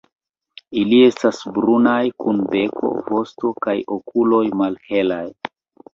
Ili estas brunaj, kun beko, vosto kaj okuloj malhelaj.